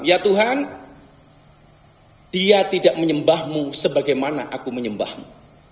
ya tuhan dia tidak menyembahmu sebagaimana aku menyembahmu